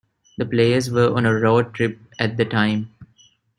The players were on a road trip at the time.